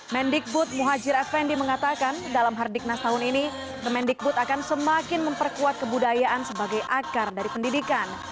mendikbud muhajir effendi mengatakan dalam hardiknas tahun ini mendikbud akan semakin memperkuat kebudayaan sebagai akar dari pendidikan